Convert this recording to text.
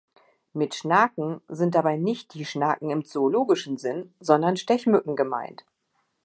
Mit „Schnaken“ sind dabei nicht die Schnaken im zoologischen Sinn, sondern Stechmücken gemeint.